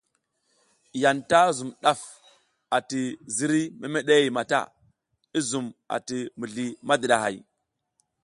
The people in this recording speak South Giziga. Yanta zun daf ati ziriy memede mata, i zum a ti mizli madidahay.